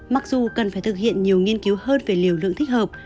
mặc dù cần phải thực hiện nhiều nghiên cứu hơn về liều lượng thích hợp